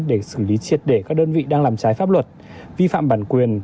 để xử lý triệt để các đơn vị đang làm trái pháp luật vi phạm bản quyền